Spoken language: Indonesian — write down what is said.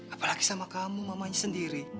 apalagi sama kamu mamanya sendiri